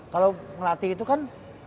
kalau ngelatih itu kan